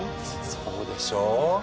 そうでしょ！